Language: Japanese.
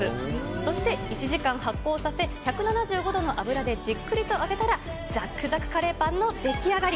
そして１時間発酵させ、１７５度の油でじっくりと揚げたら、ザックザクカレーパンの出来上がり。